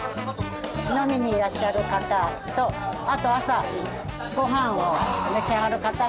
飲みにいらっしゃる方とあと朝ご飯を召し上がる方が会うので。